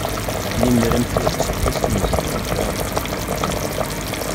Limer am tura seg wass amenzu ad ak-d-ǧǧeɣ aɣebbar.